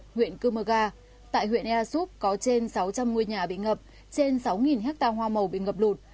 tại huyện cư mơ ga tại huyện ea xúc có trên sáu trăm linh ngôi nhà bị ngập trên sáu ha hoa màu bị ngập lụt